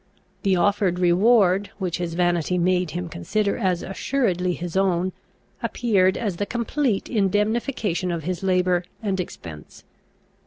The offered reward, which his vanity made him consider as assuredly his own, appeared as the complete indemnification of his labour and expense.